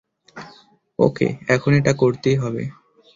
ওকে, এখন এটা করতেই হবে।